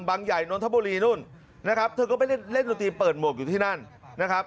ใหญ่นนทบุรีนู่นนะครับเธอก็ไปเล่นเล่นดนตรีเปิดหมวกอยู่ที่นั่นนะครับ